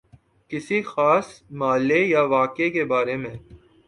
کسی خاص مألے یا واقعے کے بارے میں